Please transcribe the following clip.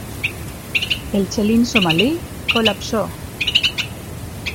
El chelín somalí colapsó.